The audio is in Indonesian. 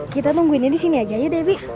kita nungguinnya disini aja ya debbie